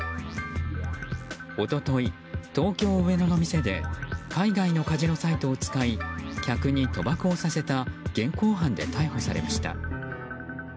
一昨日、東京・上野の店で海外のカジノサイトを使い客に賭博をさせた現行犯で逮捕されました。